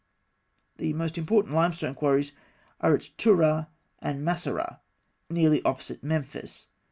] The most important limestone quarries are at Tûrah and Massarah, nearly opposite Memphis.